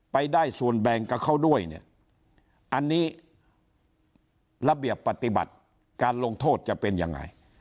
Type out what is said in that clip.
ไปได้ส่วนแบ่งกับเขาด้วยเนี่ยอันนี้ระเบียบปฏิบัติการลงโทษจะเป็นยังไง